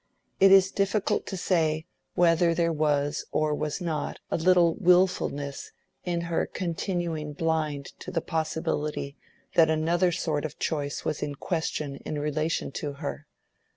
It is difficult to say whether there was or was not a little wilfulness in her continuing blind to the possibility that another sort of choice was in question in relation to her.